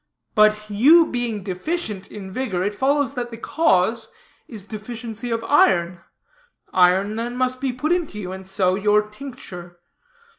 But you being deficient in vigor, it follows that the cause is deficiency of iron. Iron, then, must be put into you; and so your tincture.